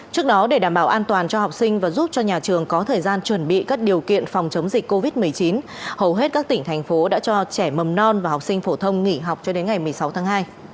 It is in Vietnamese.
trước đó để đảm bảo an toàn cho học sinh và giúp cho nhà trường có thời gian chuẩn bị các điều kiện phòng chống dịch covid một mươi chín hầu hết các tỉnh thành phố đã cho trẻ mầm non và học sinh phổ thông nghỉ học cho đến ngày một mươi sáu tháng hai